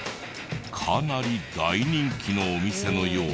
かなり大人気のお店のようで。